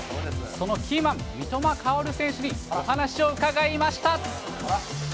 そのキーマン、三笘薫選手に、お話を伺いました。